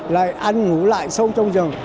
lại ăn ngủ lại sông trong rừng